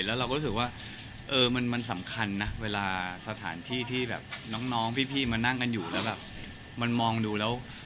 แล้วเราก็รู้สึกว่าเออมันสำคัญนะเวลาสถานที่ที่แบบน้องพี่มานั่งกันอยู่แล้วแบบมันมองดูแล้ว